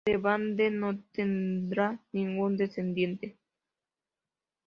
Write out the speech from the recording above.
De Bande no tendrá ningún descendiente.